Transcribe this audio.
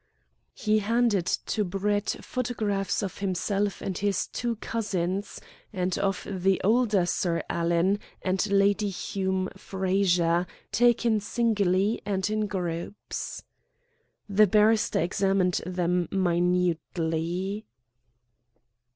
He handed to Brett photographs of himself and his two cousins, and of the older Sir Alan and Lady Hume Frazer, taken singly and in groups. The barrister examined them minutely.